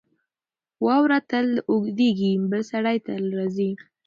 واوره تل اورېږي. بل سړی تل راځي.